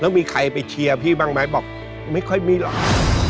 แล้วมีใครไปเชียร์พี่บ้างไหมบอกไม่ค่อยมีหรอก